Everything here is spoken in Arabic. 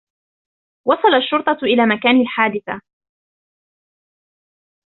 وصل الشرطة إلى مكان الحادثة.